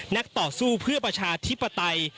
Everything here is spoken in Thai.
ต่อสู้เพื่อประชาธิปไตย